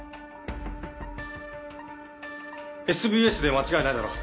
ＳＢＳ で間違いないだろう